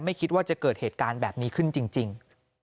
ไม่คิดว่าจะเกิดเหตุการณ์แบบนี้ขึ้นจริง